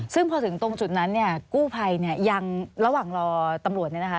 ซึ่งพอถึงตรงจุดนั้นกู้ภัยยังระหว่างรอตำรวจ